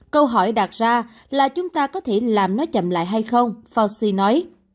câu hỏi đạt ra là chúng ta có thể làm nó chậm lại hay không fauci nói